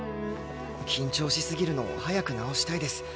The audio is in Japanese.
緊張しすぎるの早く直したいです。